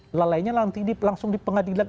lelah lainnya nanti langsung dipengadilan